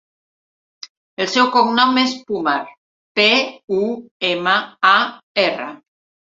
El seu cognom és Pumar: pe, u, ema, a, erra.